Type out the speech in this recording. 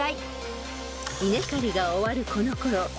［稲刈りが終わるこのころ